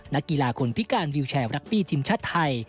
นักกีฬาคนพิการวิวแชร์รักปี้ทีมชาติไทย